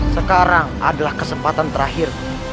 sekarang adalah kesempatan terakhir